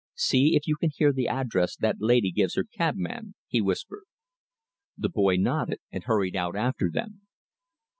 "See if you can hear the address that lady gives her cabman," he whispered. The boy nodded, and hurried out after them.